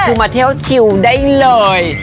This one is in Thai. คือมาเที่ยวชิวได้เลย